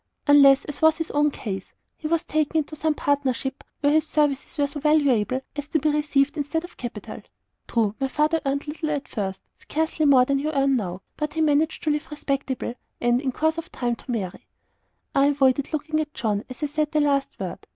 "Unless, as was his own case, he was taken into some partnership where his services were so valuable as to be received instead of capital. True, my father earned little at first, scarcely more than you earn now; but he managed to live respectably, and, in course of time, to marry." I avoided looking at John as I said the last word.